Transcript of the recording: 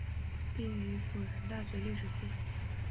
毕业于辅仁大学历史系。